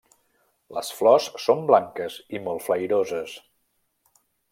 Les flors són blanques i molt flairoses.